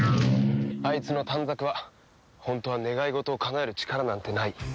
あいつの短冊は本当は願い事をかなえる力なんてない。